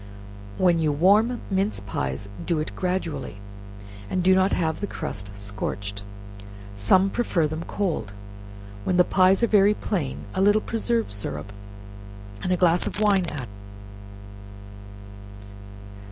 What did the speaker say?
When you warm mince pies, do it gradually, and do not have the crust scorched. Some prefer them cold. When the pies are very plain, a little preserve syrup, and a glass of wine added is an improvement.